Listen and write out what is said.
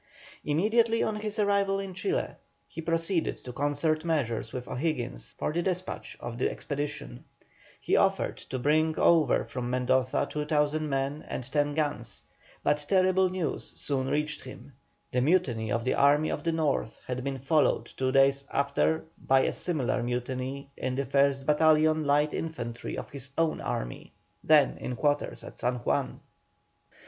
Immediately on his arrival in Chile, he proceeded to concert measures with O'Higgins for the despatch of the expedition. He offered to bring over from Mendoza 2,000 men and ten guns, but terrible news soon reached him. The mutiny of the Army of the North had been followed two days after by a similar mutiny in the 1st battalion light infantry of his own army, then in quarters at San Juan.